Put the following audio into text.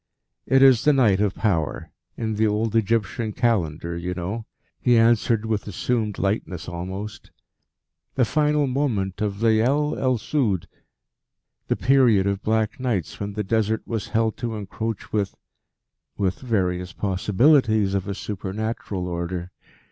"It is the Night of Power in the old Egyptian Calendar, you know," he answered with assumed lightness almost, "the final moment of Leyel el Sud, the period of Black Nights when the Desert was held to encroach with with various possibilities of a supernatural order.